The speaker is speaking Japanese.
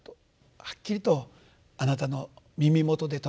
はっきりとあなたの耳元で唱えたと。